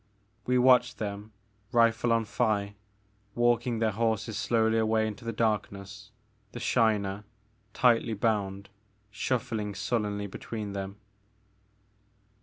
We watched them, rifle on thigh, walking their horses slowly away into the darkness, the Shiner, tightly bound, shuffling sullenly between them.